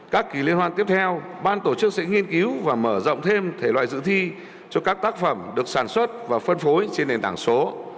các kỳ liên hoan tiếp theo ban tổ chức sẽ nghiên cứu và mở rộng thêm thể loại dự thi cho các tác phẩm được sản xuất và phân phối trên nền tảng số